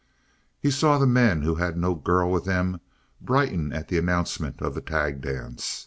He saw the men who had no girl with them brighten at the announcement of the tag dance.